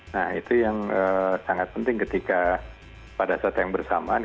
nah itu yang sangat penting ketika pada saat yang bersamaan